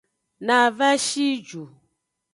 Na va shi ju.